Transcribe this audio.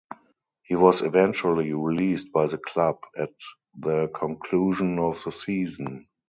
He was eventually released by the club at the conclusion of the season.